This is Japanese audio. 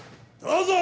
どうぞ！